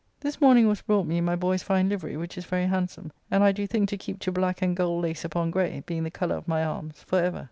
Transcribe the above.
This morning was brought me my boy's fine livery, which is very handsome, and I do think to keep to black and gold lace upon gray, being the colour of my arms, for ever.